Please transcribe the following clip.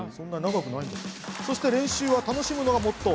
そして練習は楽しむのがモットー。